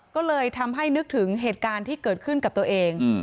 ก็เลยทำให้นึกถึงเหตุการณ์ที่เกิดขึ้นกับตัวเอง